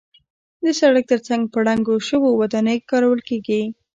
د سړک تر څنګ په ړنګو شویو ودانیو کې کارول کېږي.